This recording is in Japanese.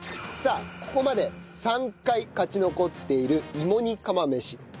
さあここまで３回勝ち残っている芋煮釜飯。